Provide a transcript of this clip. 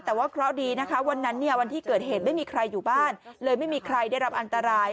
แต่ว่าเคราะห์ดีนะคะวันนั้นเนี่ยวันที่เกิดเหตุไม่มีใครอยู่บ้านเลยไม่มีใครได้รับอันตราย